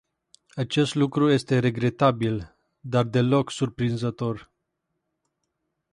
Acest lucru este regretabil, dar deloc surprinzător.